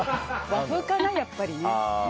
和風かな、やっぱりね。